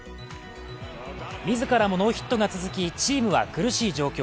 自らもノーヒットが続きチームは苦しい状況。